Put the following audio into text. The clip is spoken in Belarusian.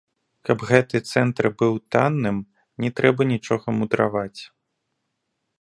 Каб гэты цэнтр быў танным, не трэба нічога мудраваць.